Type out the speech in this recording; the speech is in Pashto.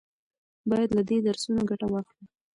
باید له دې درسونو ګټه واخلو.